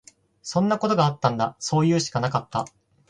そんなことあったんだ。そういうしかなかった。